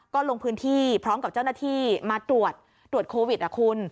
ก็ลงพื้นที่พร้อมกับเจ้าหน้าที่มาตรวจตรวจโควิดนะคุณ